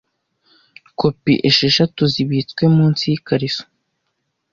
Kopi esheshatu zibitswe munsi yikariso